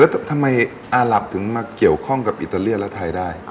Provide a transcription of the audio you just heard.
แล้วทำไมอาหลับถึงมาเกี่ยวข้องกับอิตาเลียนและไทยได้